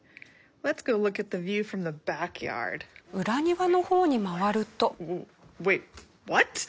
裏庭の方に回ると。